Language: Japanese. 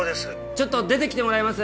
ちょっと出てきてもらえます？